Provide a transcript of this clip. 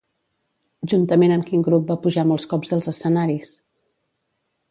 Juntament amb quin grup va pujar molts cops als escenaris?